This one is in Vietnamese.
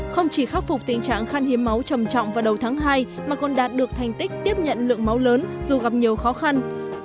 không chỉ khắc phục tình trạng khan hiếm máu trầm trọng vào đầu tháng hai mà còn đạt được thành tích tiếp nhận lượng máu lớn dù gặp nhiều khó khăn